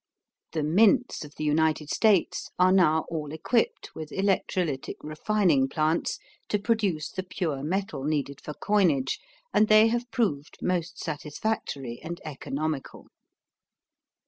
The mints of the United States are now all equipped with electrolytic refining plants to produce the pure metal needed for coinage and they have proved most satisfactory and economical.